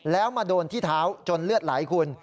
แล้วมาโดนที่เท้าจนเลือดไหลคุณ